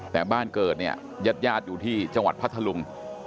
แต่บ้านเกิดเนี่ยญาติญาติอยู่ที่จังหวัดพัทธลุง